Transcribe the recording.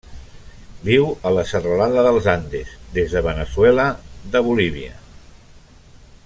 Viu a la serralada dels Andes, des de Veneçuela de Bolívia.